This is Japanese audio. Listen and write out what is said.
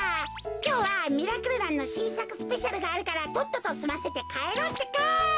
きょうは「ミラクルマン」のしんさくスペシャルがあるからとっととすませてかえろうってか。